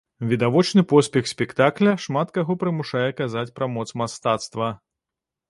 Відавочны поспех спектакля шмат каго прымушае казаць пра моц мастацтва.